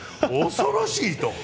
恐ろしいと。